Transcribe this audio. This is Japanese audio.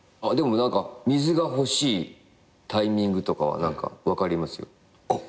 でも水が欲しいタイミングとかは何か分かりますよ。